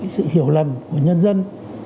sự hiểu lầm của nhân dân